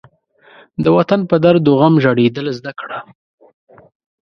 د وطن په درد و غم ژړېدل زده کړه.